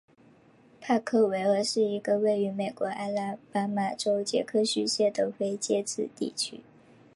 派克维尔是一个位于美国阿拉巴马州杰克逊县的非建制地区。